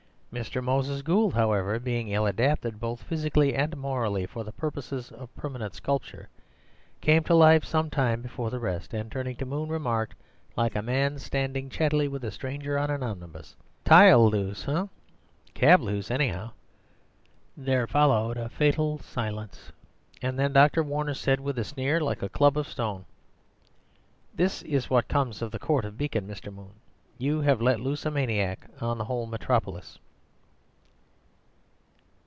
Mr. Moses Gould, however, being ill adapted both physically and morally for the purposes of permanent sculpture, came to life some time before the rest, and, turning to Moon, remarked, like a man starting chattily with a stranger on an omnibus, "Tile loose, eh? Cab loose anyhow." There followed a fatal silence; and then Dr. Warner said, with a sneer like a club of stone,— "This is what comes of the Court of Beacon, Mr. Moon. You have let loose a maniac on the whole metropolis."